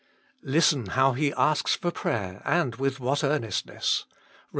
Listen how he asks for prayer, and with what earnestness Bom.